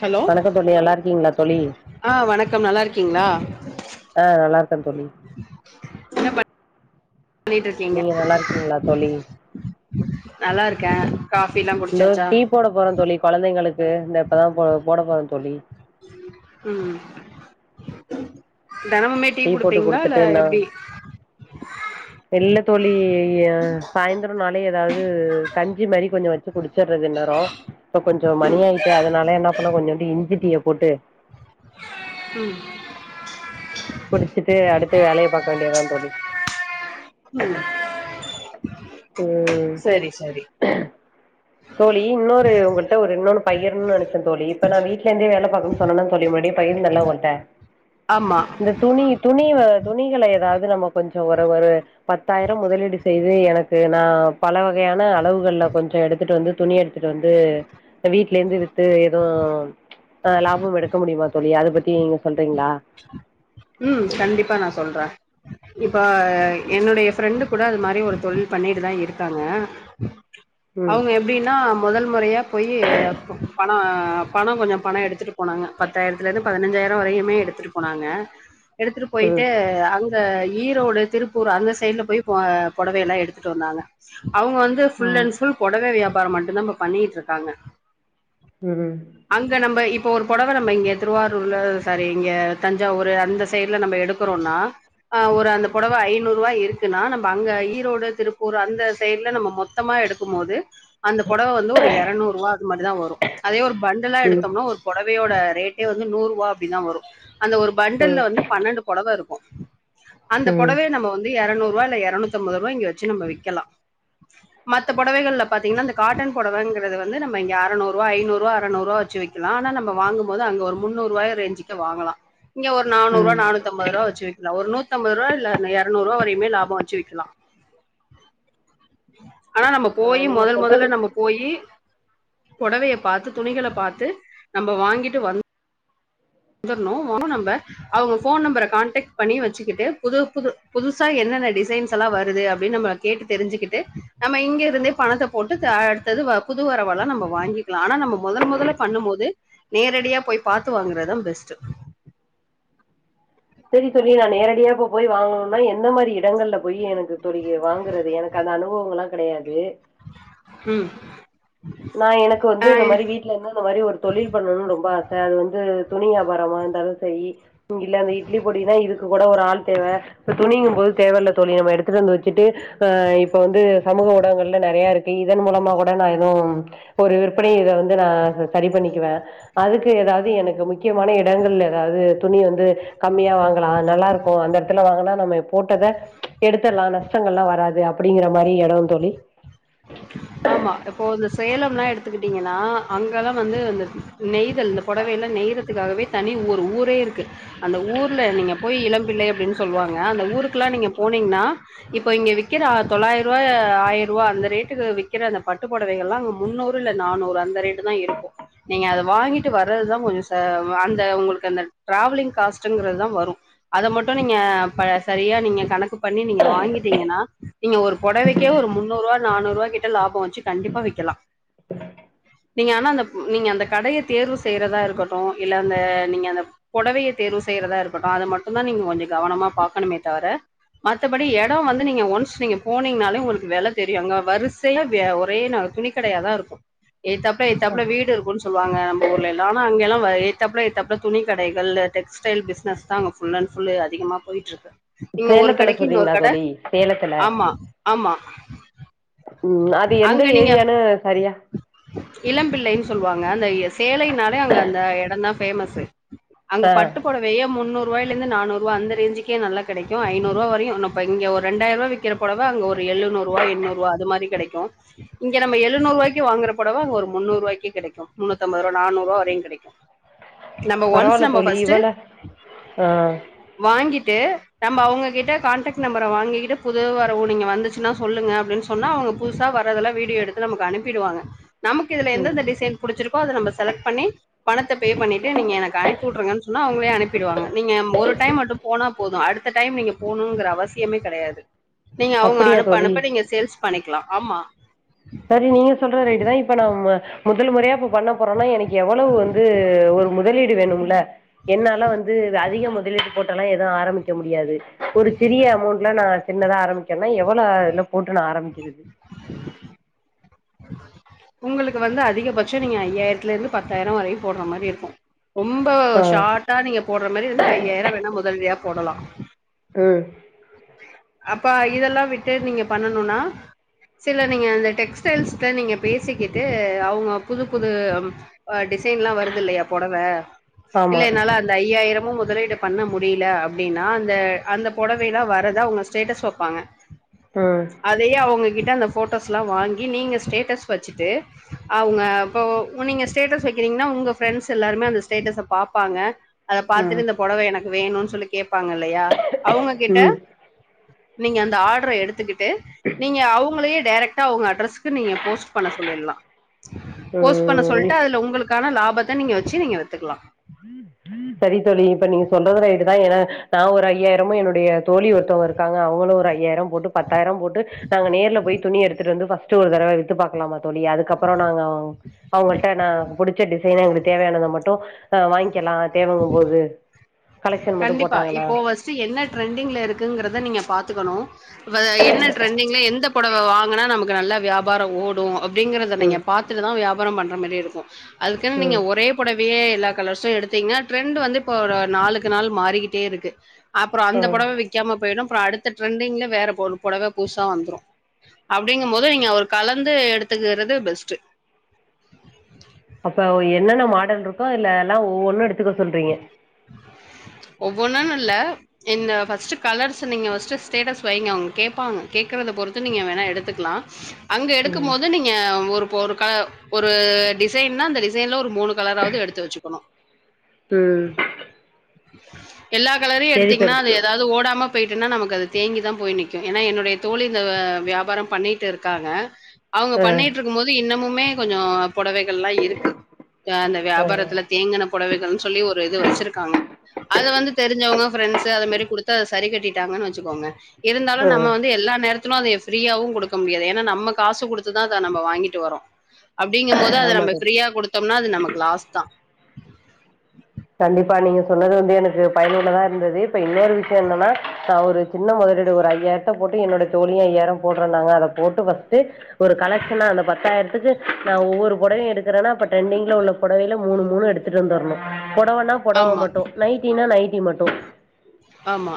Hello வணக்கொ தோழி நல்லாருக்கீங்ளா தோழி ஆ வணக்கம் நல்லாருக்கீங்ளா அ நல்லாருக்கே தோழி பண்ணிட்ருக்கீங்க நீங்க நல்லா இருக்கீங்களா தோழி நல்லாருக்கே காஃபிலா போ இந்த டீ போட போறே தோழி கொழந்தைங்களுக்கு இந்த இப்பதா போ போட போறே தோழி ம் தெனமுமே டீ போட்டு குடுப்பீங்ளா இல்ல குடுத்துட்டு நா எப்டி இல்ல தோழி சாய்ந்தரொனாலே எதாவ்து கஞ்சி மாரி கொஞ்சோ வச்சு குடிச்சற்து இந்நேரோ இப்ப கொஞ்சோ மணி ஆயிட்டு அதனால என்ன பண்ணே கொஞ்சோண்டு இஞ்சி டீ ய போட்டு ம் குடிச்சிட்டு அடுத்து வேலய பாக்க வேண்டியதா தோழி ம் சே செரி செரி தோழி இன்னொரு உங்கள்ட்ட ஒரு இன்னொன்னு பகிர்னுன் நெனச்சே தோழி இப்ப நா வீட்லந்தே வேல பாக்க சொன்னன தோழி முன்னாடியே பகிர்ந்தேல ஒங்கள்ட்ட [inaudible] இந்த துணி துணி வ துணிகள எதாவ்து நம்ம கொஞ்சோ ஒரு ஒரு பத்தாயிரோ முதலீடு செய்து எனக்கு நா பல வகையான அளவுகள்ல கொஞ்சோ எடுத்துட்டு வந்து துணி எடுத்துட்டு வந்து ப்ப வீட்லேந்து வித்து எது ஆ லாபம் எடுக்க முடிமா தோழி அத பத்தி நீங்க சொல்றீங்ளா ம் கண்டிப்பா நா சொல்றே இப்ப என்னுடைய ஃப்ரெண்டு கூட அது மாரி ஒரு தொழில் பண்ணிட்டுதா இருக்காங்க ம் அவுங்க எப்டின்னா மொதல் மொறையா போயி பணொ பணொ கொஞ்சொ பணொ எடுத்துட்டு போனாங்க பத்தாயிரத்துலந்து பதனஞ்சாயிரோ வரையுமே எடுத்துட்டு போனாங்க எடுத்துட்டு போய்ட்டு ம் அங் இந்த ஈரோடு திருப்பூர் அந்த சைட்ல போய் பொ பொடவைல்லா எடுத்துட்டு வந்தாங்க அவுங்க வந்து ஃபுல் அண்ட் ஃபுல் பொடவ வியாபாரோ மட்டுந்தா ப்ப பண்ணிட்ருக்காங்க சேரி அங்க நம்ப இப்ப ஒரு பொடவ நம்ம இங்க திருவாரூர்ல சாரி இங்க தஞ்சாவூரு அந்த சைட்ல நம்ப எடு க்குறோனா ஆ ஒரு அந்த பொடவ ஐநூறுவா இருக்குன்னா நம்ப அங்க ஈரோடு திருப்பூர் அந்த சைட்ல நம்ம மொத்தமா எடு கும் போது அந்த புடவை வந்து ஒரு இரனுறு ரூபா மட்டுத வரும் அதே ஒரு பண்டலா ம் எடுத்தோம்னா ஒரு புடவையோட ரேட்டே வந்து நூறு ரூபா அப்டிதா வரும் அந்த ஒரு ம் பண்டல்லல வந்து பன்னண்டு புடவ இருக்கு அந்த ம் புடவைய நம்ம வந்து இருநூறுரூவா இல்லன இருநூத்தி அம்பது ரூபா இங்க வச்சு நம்ம விக்கலா புடவகள்ல பாத்தீங்கா காட்டன் புடவங்கிறது நம இங்க அறநூறுரூபா ஐநூறுரூபா அறநூறுரூபா வச்சு விக் லாம் ஆனா நம்ம வாங்குபோது அங்க ஒரு முன்னூறு ரூபா ரேஞ்சுக்கு வாங்கலா இங்க ஒரு நானூறுரூபா நானூத்தம்பது ரூபா வச்ச விக்கலா ஒரு நூத்தம்பது ரூபா இல்ல இருநூறுரூவா வரையுமே லாபம் வெச்சி விக்கலா ஆனா நம்ம ஆ போயி நீங்க மொதல் சொல்றது மொதல்ல நம்ம போயி புடவய பாத்து துணிகள பாத்து நம்ம வாங்கிட்டு வந் வந்தரணு ‌ஆனா‌ நம்ப அவங்க போன் நம்பர கான்டக்ட் பண்ணி வச்சுக்கிட்டு புது புது புதுசா என்னென்ன டிசைன்ஸ் எல்லா வருது அப்டின்னு நம்ம கேட்டு தெரிஞ்சுக்கிட்டு நம்ம இங்க இருந்தே பணத்தை போட்டு அடுத்தது புது வரவெல்லா நம்ம வாங்கி ஆனா நம்ம மொதல் மொதல்ல பண்ணு போது நேரடியா போய் பாத்து வாங்கறதா பெஸ்ட்டு சேரி தோழி நா நேரடியா போ போய் வாங்கணும்னா எந்த மாரி இடங்கள்ல போய் எனக்கு தோழி வாங்குறது எனக் [unintelligible] அந்த அனுபவ எல்லா கிடயாது ம் நா எனக்கு வந்து இந்த ஆ மாதிரி வீட்டு ல இருந்து இந்த மாதிரி ஒரு தொழில் பண்ணும்னு ரொம்ப ஆச அது வந்து துணி வியாபாரம இருந்தாலும் சேரி இல்ல அந்த இட்லி பொடினா இதுக்கு கூட ஒரு ஆள் தேவ இப்ப துணிங்கு போது தேவையில்ல தோழி நம்ம எடுத்துட்டு வந்து வச்சுட்டு அ இப்ப வந்து சமூக ஊடகங்கள்ல நிறைய இருக்கு இதன் மூலமா கூட நா எதுவு ஒரு விற்பனையில இத வந்து நா சேரி பண்ணிக்குவே அதுக்கு ஏதாவது எனக்கு முக்கியமான எடங்கள்ல ஏதாவது துணி வந்து கம்மியா வாங்கலா நல்லா இருக்கு அந்த எடத்துல வாங்கனா நம்ம போட்டத எடுத்தர்லா நஷ்டங்கள் எல்லா வராது அப்டிங்கிற மாரி இட தோழி ஆமா இப்போ இந்த சேலம் எல்லா எடுத்துக்கிட்டீங்கன்னா அங்க எல்லா வந்து அந்த நெய்தல் இந்த புடவெல்லா நெய்றதுக்காகவே தனி ஊரே இருக்கு அந்த ஊர்ல நீங்க போய் இளம்பிள்ளை அப்டின்னு சொல்லுவாங்க அந்த ஊருக்கெல்லா நீங்க போனீங்கன்னா இப்ப இங்க விக்கிற தொளாயிர ரூவா ஆயிர ரூபா அந்த ரேட் ட்டுக்கு விக்கிற அந்த பட்டுப்புடவைகள் எல்லா முன்னூறு இல்ல நானூறு அந்த ரேட்டு தா இருக்கு நீங்க அத வாங்கிட்டு வறதுதா கொஞ்சோ ச அந்த உங்களுக்கு அந்த ட்ராவலிங் காஸ்ட்ங்கிறது தா வரும் அத மட்டு நீங்க ப சரியா நீங்க கணக்கு பண்ணி நீங்க வாங்கிட்டீங்கனா நீங்க ஒரு பொடவைக்கே ஒரு முன்னூரூவா நானூரூவா கிட்ட லாப வச்சு கண்டிப்பா விக்கலா நீங்க ஆனா அந்த நீங்க அந்த கடய தேர்வு செய்யறதா இருக்கட்டு இல்ல அந்த நீங்க அந்த பொடவய தேர்வு செய்யறதா இருக்கட்டு அது மட்டு தா நீங்க கொஞ்சோ கவனமா பாக்கணுமே தவிர மத்தபடி எடம் வந்து நீங்க ஒன்ஸ் நீங்க போனீங்கனாலே உங்களுக்கு வெல தெரியு அங்க வரிச் [unintelligible] ஒரே துணிக்கடையா தா இருக்கு எதுதாப்புல எதுதாப்புல வீடு இருக்கு சொல்வாங்க நம்ம ஊர்ல இல்ல ஆனா அங்கெல்லா எத்தாப்புல எத்தாப்புல துணி கடைகள் டெக்ஸ்டை பிஸ்னஸ் தா அங்க ஃபுல் அண்ட் ஃபுல் அதிகமா போயிட்ருக்கு நீங்க ஒரு சேலத்துல கடைக்கு இன்னொரு சொல்றீங்களா கட தோழி சேலத்துல ஆமா ஆமா ம் அது எந்த அங்க நீங்க ஏரியானு சரியா இளம்பிள்ளைன்னு சொல்வாங்க அந்த சேலைனாலே அங்க அந்த எடம் தா ஃபேமஸு ஆ அங்க பட்டு பொடவயே முன்னூரூவாயில இருந்து நானூரூபா அந்த ரேஞ்சுக்கே நல்லா கெடைக்கு ஐநூரூபா வரையு இங்க ஒரு ரெண்டாயிரூவா விக் வக்கிற பொடவ அங்க ஒரு எழுநூறுவா எண்ணூறுவா அது மாரி கெடைக்கு இங்க நம்ம எழுநூறு ரூவாய்க்கு வாங்கற பொடவ அங்க ஒரு முன்னூரூவாய்க்கே கெடைக்கு முன்னூத்தம்பது ரூவா நானுறு ரூவா வரையு கெடைக்கு நம்ப ஒன்ஸ் பரவால்ல நம்ப தோழி ஃபஸ்ட்டு இவள ஆ வாங்கிட்டு நம்ம அவங்ககிட்ட கான்டாக்ட் நம்பர வாங்கிக்கிட்டு புது வரவு நீங்க வந்துச்சுனா சொல்லுங்க அப்டின் சொன்னா அவங்க புதுசா வரதலா வீடியோ எடுத்து நமக்கு அனுப்பிடுவாங்க நமக்கு இதுல ம் எந்தெந்த டிசைன் புடிச்சிருக்கோ அத நம்ம செலக்ட் பண்ணி பணத்த பே பண்ணிட்டு நீங்க எனக்கு அனுப்பி விட்றுங்கன்னு சொன்னா அவங்களே அனுப்பிடுவாங்க நீங்க ஒரு டைம் மட்டு போனா போது அடுத்த டைம் நீங்க போணுங்கிற அவசியமே கிடையாது நீங்க அவங்க அப்படியா அனுப்ப தோழி அனுப்ப நீங்க சேல்ஸ் பண்ணிக்கலா ஆமா சரி நீங்க சொல்ற ரேட்டு தா இப்ப நா முதல் முறையா போ பண்ண போறேனா எனக்கு எவ்வளவு வந்து ஒரு முதலீடு வேணும்ல என்னால வந்து அதிக முதலீடு போட்டுலா எதுவு ஆரம்பிக்க முடியாது ஒரு சிறிய அமௌண்ட்ல நா சின்னதா ஆரம்பிக்கிறேனா எவ்வளோ இதுல போட்டு நா ஆரம்பிக்கிறது உங்களுக்கு வந்து அதிகபட்சோ நீங்க ஐயாயிரத்துல இருந்து பத்தாயிரம் வரைக்கு போட்ற மாரி இருக்கு ரொம்ப ஆ ஷார்ட்டா நீங்க போட்ற மாரி வந்து ஐயாயிரம் வேணா முதலீடா போடலா ம் அப்ப இதெல்லா விட்டு நீங்க பண்ணணுனா சில நீங்க அந்த டெக்ஸ்டைல்ஸ்ல நீங்க பேசிக்கிட்டு அவுங்க புது புது டிசைன்லா வருது இல்லையா பொடவ இல்ல ஆமா என்னால அந்த ஐயாயிரமு முதலீடு பண்ண முடியல அப்டின்னா அந்த அந்த பொடவைலா வ அத அவுங்க ஸ்டேட்டஸ் வப்பாங்க ம் அதையே அவங்ககிட்ட அந்த ஃபோட்டோஸ்லா வாங்கி நீங்க ஸ்டேட்டஸ் வச்சுட்டு அவங்க இப்போ நீங்க ஸ்டேட்டஸ் வைக்கிறீங்கன்னா உங்க ஃப்ரெண்ட்ஸ் எல்லாருமே அந்த ஸ்டேட்டஸ பாப்பாங்க அத ம் பாத்துட்டு இந்த பொடவ எனக்கு வேணுன் சொல்லி கேப்பாங்க இல்லையா அவங்க கிட்ட நீங்க அந்த ஆர்டர எடுத்துக்கிட்டு நீங்க அவங்களையே டேரெக்டா அவங்க அட்ரஸ் நீங்க போஸ்ட் பண்ண சொல்லிடலா போஸ்ட் பண்ண ம் சொல்ட்டு அதுல உங்களுக்கான லாபத்த நீங்க வச்சு நீங்க வித்துக்கலா சரி தோழி இப்ப நீங்க சொல்றதுல ரைட்டுதா ஏனா நா ஒரு ஐயாயிரமு என்னுடைய தோழி ஒருத்தவங்க இரு க்காங்க அவங்களு ஒரு ஐயாயிரோ போட்டு பத்தாயிரோ போட்டு நாங்க நேர்ல போய் துணி எடுத்துட்டு வந்து பர்ஸ்ட் ஒரு தடவ வித்து பாக்கலாமா தோழி அதுக்கப்றோ நாங்க அவங்கள்ட்ட நா புடிச்ச டிசைன எங்களுக்கு தேவையானத மட்டு அ வாங்கிக்கலா தேவங்கும் போது கலெக்ஷன் மட்டு போட்டாங்கனா சு என்ன ட்ரெண்டிங்ல இருக்குங்கிறத நீங்க பாத்துக்கணு என்ன ட்ரெண்டிங்ல எந்த பொட வாங்குனா நமக்கு நல்லா வியாபார ஓடு அப்டிங்கறத நீங்க ம் பாத்துட்டுதா வியாபாரோ பண்ற மாரி இருக்கு அதுக்குன்னு நீங்க ம் ஒரே புடவையே எல்லா கலர்ஸு எடுத்தீங்கன்னா ட்ரெண்ட் வந்து இப்போ ஒரு நாலு க்கு நாள் மாறிக்கிட்டே இருக்கு அப்புறோ ஆ அந்த புடவ விக் க்காம போயிரு அப்புறோ அடுத்த ட்ரெண்டிங்ல வேற ஒரு புடவ புதுசா வந்துரு அப்டிங்கும் போது நீங்க ஒரு கலந்து எடுத்துக்றது பெஸ்ட் அப்போ என்னென்ன மாடல் இருக்கோ அதுல்லல்லா ஒவ்வொன்னு எடுத்துக்க சொல்றீங்க ஒவ்வொன்னு னு இல்ல இந்த ஃபர்ஸ்ட் கலர்ஸ நீங்க ஃபர்ஸ்ட் ஸ்டேடஸ் வைங்க அவங்க கேப்பாங்க கேக்றத பொறுத்து நீங்க வேணா எடுத்துக்கலா அங்க எடுக்கும் போது நீங்க ஏ ஒரு ஒரு கல ஒரு டிசைன்னா அந்த டிசைன்ல ஒரு மூனு கலராவது எடுத்து வச்சுக்கணு உம் எல்லா கலரையு சரி எடுத்தீங்கன்னா தோழி அது எதாவது ஓடாம போயிட்டுன்னா நமக்கு அது தேங்கி தா போய் நிக்கு ஏன்னா என்னுடைய தோழி இந்த வியாபாரம் பண்ணிட்டு இருக்காங்க அவங்க ஆ பண்ணிட்டு இருக்கும் போது இன்னமுமே கொஞ்சோ புடவைகள்ல்லா இருக்கு அந்த ஆ வியாபாரத்துல தேங்குன புடவைகள்னு சொல்லி ஒரு இது வச்சிருக்காங்க அத வந்து தெரிஞ்சவங்க ஃப்ரெண்ட்ஸு அத மாரி குடுத்து அத சரி கட்டிட்டாங்கன்னு வச்சுக்கோங்க இருந்தாலு ஆ நம்ம வந்து எல்லா நேரத் துன அதய ஃப்ரீயாவு குடுக்க முடியாது ஏன்னா நம்ம காசு குடுத்துதா அத நம்ம வாங்கிட்டு வரோ அப்டிங்கும்போது அத ஆமா நம்ம தோழி ஃப்ரீயா கொடுத்தம்னா அது நமக்கு லாஸ் தா கண்டிப்பா நீங்க சொன்னது வந்து எனக்கு பயனுள்ளதா இருந்தது இப்ப இன்னொரு விஷய என்னன்னா நா ஒரு சின்ன முதலீடு ஒரு ஐயாயிரத்த போட்டு என்னோட தோழியு ஐயாயிர போடுறேன்னாங்க அத போட்டு ஃபர்ஸ்ட்டு ஒரு கலெக்ஷனா அந்த பத்தாயிரத்துக்கு நா ஒவ்வொரு புடவையு எடுக்கறேன்னா அப்ப டரெண்டிங்ல உள்ள புடவையில மூணு மூணு எடுத்துட்டு வந்துர்ணு பொடவன்னா பொடவ ஆமா மட்டு நைட்டின்னா நைட்டி மட்டு ஆமா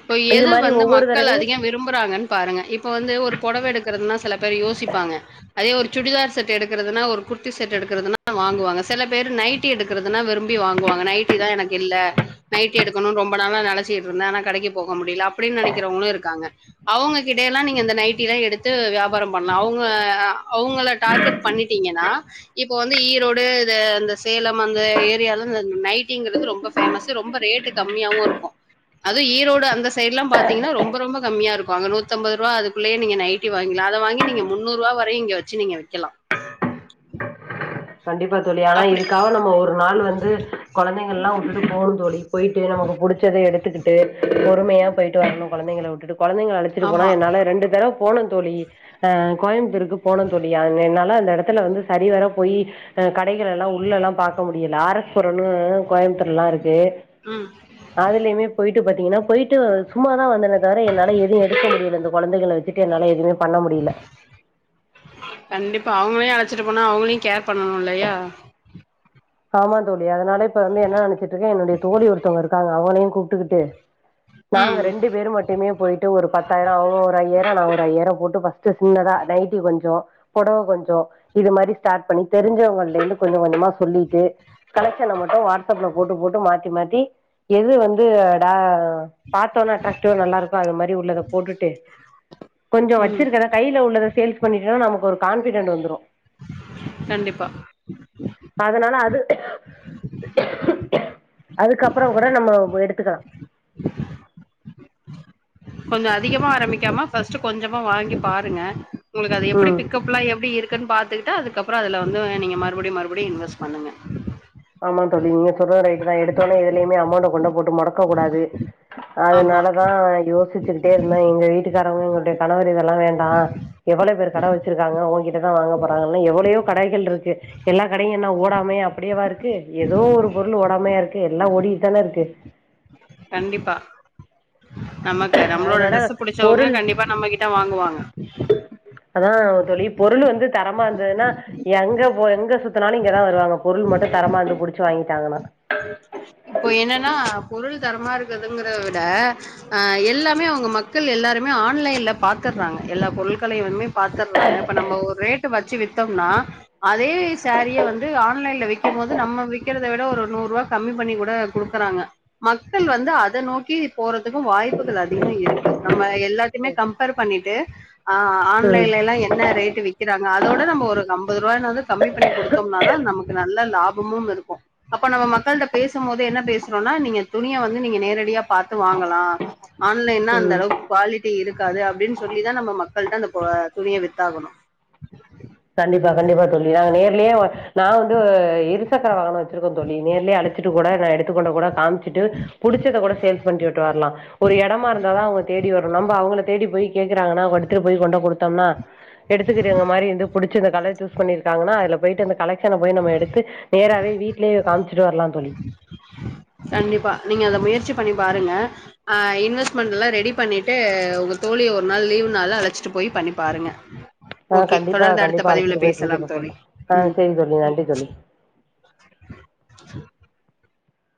இப்ப எது வந்து மக்கள் தடவையும் அதிக விரும்புறாங்கன்னு பாருங்க இப்ப வந்து ஒரு பொடவ எடுக்கறதுனா சில பேர் யோசிப்பாங்க அதே ஒரு சுடிதார் செட் எடுக்குறதுதுனா ஒரு குட்டி செட் எடுக்குறதுனா வாங்குவாங்க சில பேர் நைட்டி எடுக்குறதுனா விரும்பி வாங்குவாங்க நைட் டிதா எனக்கு இல்ல நைட்டி எடுக்கணோனு ரொம்ப நாளா நெனச்சிட்டு இருந்தே ஆனா கடைக்கு போக முடியில அப்டின்னு நெனக்கிறவங்களு இருக்காங்க அவங்க கிட்டயெல்லா நீங்க இந்த நைட்டி எல்லா எடுத்து வியாபார பண்லா அவுங்க அ அவங்கள டார்கெட் பண்ணிட்டீங்கன்னா இப் போ வந்து ஈரோடு இது அந்த சேலம் அந்த ஏரியால நைட்டிங்கிறது ரொம்ப ஃபேமஸ் ரொம்ப ரேட்டு கம்மியாவோ இருக்கோ அது ஈரோடு அந்த சைட்லா பாத்தீங்கன்னா ரொம்ப ரொம்ப கம்மியா இருக்கு அங்க நூத் தம்பது ருபா அதுக்குள்ளயே நீங்க நைட்டி வாங்கில்லா அத வாங்கி நீங்க முன்னூறு ருவா வரையு இங்க வெச்சு நீங்க விக்கலா கண்டிப்பா தோழி ஆனா அப்படி இதுக்காக நம்ம ஒரு நாள் வந்து கொழந்தைங்கள்லா விட்டுட்டு போணோ தோழி போய்டு நமக்கு புடிச்சத எடுத்துக்கிட்டு பொறுமையா போய்டு வர்ணு கொழந்தைங்கள வுட்டுட்டு கொழந்தைங்க அழை சுட்டு போனா ஆமா. என்னால ரெண்டு தடவ போன தோழி ஆ கோயம்த்தூருக்கு போன தோழி ஆ என்னால அந்த எடத் துல வந்து சரி வர போய் கடைகள எல்லா உள்ளெல்லா பாக்க மு யல ஆர் எஸ் புரோன்னு கோயம்த்தூர்லலா இருக்கு ம் அதுலயுமே போயிட்டு பாத்தீங்கன்னா போயிட்டு சும்மாதா வந்தனே தவிர என்னால எதுவு எடுக்க முடியல தோ கொழந்தைகள வெச்சுட்டு என்னால எதுமே பண்ண முடியில கண்டிப்பா அவங்களையு அழச்சிட்டு போனா அவங்களையு கேர் பண்ணனு இல்லயா ஆமா தோழி அதனால இப்ப வந்து என்ன நெனச்சிட்டு இருக்கே என்னுடைய தோழி ஒருத்தவங்க இருக்காங்க அவங்களையு கூப்டுக்கிட்டு நாங்க ம். ரெண்டு பேரு மட்டுமே போயி ட்டு ஒரு பத்தாயிர அவங்க ஒரு ஐயாயிர நா ஒரு ஐயாயிர போட்டு ஃபர்ஸ்ட்டு சின்னதா நைட்டி கொஞ்சோ புடவ கொஞ்சோ இந்த மாரி ஸ்டார்ட் பண்ணி தெரிஞ்சவங்கள்ட்ட இருந்து கொஞ்ச கொஞ்சமா சொல்லி ட்டு கலெக்ஷன மட்டு வாட்ஸ்அப்ல போட்டு போட்டு மாத்தி மாத்தி எது வந்து டா பாத்தஉனே அட்ராக்டிவா நல்லா இருக்கோ அது மாரி உள்ளத போட்டுட்டு கொஞ்ச ம். வச்சிருக்க ஆனா கையில உள்ளத சேல்ஸ் பண்ணிட்டுன்னா நமக்கு ஒரு கான்ஃபிடன்ட் வந்துடு கண்டிப்பா அதனால அ அதுக்கப்புற கூட நம்ம எடுத்துக்கலா கொஞ்ச அதிகமா ஆரம்பிக்காம ஃபர்ஸ்ட் கொஞ்சமா வாங்கி பாருங்க உங்களுக்கு அது எப்டி ம் பிக்கப்ல்லா எப்டி இரு க்குன் பாத்துட்டு அதுக்கப்புற அதுல வந்து நீங்க மறுபடியு மறுபடியு இன்வெஸ்ட் பண்ணுங்க ஆமா தோழி நீங்க சொல்றது ரைட்டு தா எடுத்த ஒனே எதுலயுமே அமௌண்ட கொண்ட போட்டு முடக்க கூடாது ஆமா. அதனாலதா யோசிச்சுகிட்டே இருந்தே எங்க வீட்டுக்காரங்க எங்களுடைய கணவர் இத லாம் வேண்டா எவ்வளவு பேர் கடை வச் சிருக்காங்க உங்கிட்ட தா வாங்க போறாங்க எவ்வளயோ கடைகள் இருக்கு எல்லா கடையு என்ன ஓடாம அப்படியேவா இருக்கு க்கு ஏதோ ஒரு பொருள் ஓடாமையா இருக்கு எல்லா ஓடிட்டுதான இருக்கு கண்டிப்பா நமக்கு நம்மளோட அதனால டிரெஸ் புடிச்சவங்க பொருள் கண்டிப்பா நம்மகிட்ட வாங்கு வாங்க அதா தோழி பொருள் வந்து தரமா இருந்ததுன்னா எங்க போ எங்க சுத்தினாலு இங்கதா வருவாங்க பொருள் மட்டு தரமா இருந்து புடிச்சு வாங்கிட்டாங்கன்னா இப்போ என்னன்னா பொருள் தரமா இருக்குதுங்கிறத விட அ எல்லாமே அவங்க மக்கள் எல்லாருமே ஆன்லைன்ல பாத்துர்றாங்க எல்லா பொருள்களையும்மே பாத்துறாங்க இப்ப நம்ம ஒரு ரேட்டு வச்சு வித்தோம்னா அதே சேரிய வந்து ஆன்லைன்ல விக்கும்போது நம்ம விக்கிறதை விட ஒரு நூறு ரூபா கம்மி பண்ணி கூட குடுக்குறாங்க மக்கள் வந்து அத நோக்கி போறதுக்கு வாய்ப்புகள் அதிக இருக்கு நம்ம எல்லாத்தையுமே கம்பேர் பண்ணிட்டு ஆ ம் ஆன்லைன்ல எல்லா என்ன ரேட்டு் விக் கிறாங்க அதோட நம்ம ஒருஐம்பது ரூபாய் நாவுது வந்து கம்மி பண்ணி கொடுத்தோம்னா தா நமக்கு நல்ல லாபமும் இருக்கு அப்ப நம்ம மக் கள் ட பேசும் போது என்ன பேசறோன்னா துணிய வந்து நீங்க நேரடியா பாத்து வாங்கலா ஆன்லைன்னா அந்த ம் அளவுக்கு குவாலிட்டி இருக்காது அப்படின்னு சொல்லிதா நம்ம மக்கள்கிட்ட அந்த துணிய வித்தாகணு கண்டிப்பா கண்டிப்பா தோழி நாங்க நேர்லயே நா வந்து இருசக்கர வாகன வச்சிருக்கோ தோழி நேர்லயே அழச்சிட் டு கூட நா எடுத்துக்கொண்ட கூட காமிச்சுட்டு புடிச்சத கூட சேல்ஸ் பண்ணி விட்டு வரலா ஒரு இடமா இருந்தாதா அவங்க தேடி வரும் நம்ம அவங்கள தேடி போய் கேக்குறாங்கன்னா எடுத்துட்டு போய் கொண்டு கொடுத்தோம்னா எடுத்துக்கிறவங்க மாரி வந்து புடிச்சு அந்த கலர் சூஸ் பண்ணிருக்காங்கன்னா அதுல போயிட்டு அந்த கலெஷன போய் நம்ம எடுத்து நேராவே வீட்டிலேயே காமிச்சு ட்டு வரலா தோழி கண்டிப்பா நீங்க அத முயற்சி பண்ணி பாருங்க ஆ இன்வெஸ்ட்மெண்ட்லா ரெடி பண்ணிட்டு உங்க தோழிய ஒரு நாள் லீவ்னால அழச்சிட்டு போய் பண்ணி பாருங்க ஆ ஓகே கண்டிப்பா தொடர்ந்து அடுத்த கண்டிப்பா பதிவுல அழைச்சிட்டு போய் செஞ்சு பேசலாம் தோழி பாக்குறே ஆ உம் சேரி தோழி நன்றி தோழி